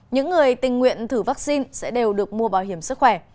những người tình nguyện thử vaccine sẽ đều được mua bảo hiểm sức khỏe